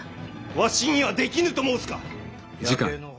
わしにはできぬと申すか！